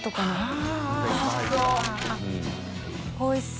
あぁおいしそう。